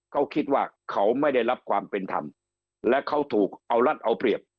เขาคิดว่าเขาไม่ได้รับความเป็นธรรมและเขาถูกเอารัดเอาเปรียบ